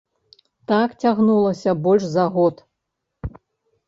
Так цягнулася больш за год.